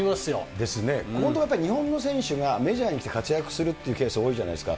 ですね、ここんとこ、やっぱり日本の選手がメジャーに来て、活躍するっていうケース多いじゃないですか。